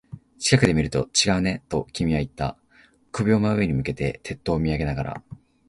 近くで見ると違うね、と君は言った。首を真上に向けて、鉄塔を見上げながら。